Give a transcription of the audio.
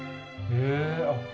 へえ。